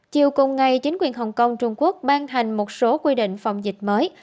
chiều cùng ngày chính quyền hong kong trung quốc ban hành một số quy định phòng dịch mới